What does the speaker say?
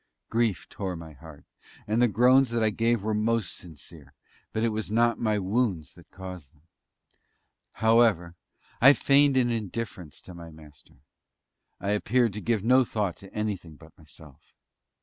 Grief tore my heart: and the groans that I gave were most sincere but it was not my wounds that caused them! However, I feigned an indifference to my Master. I appeared to give no thought to anything but myself.